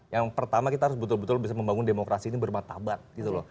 yang pertama kita harus betul betul bisa membangun demokrasi ini bermartabat gitu loh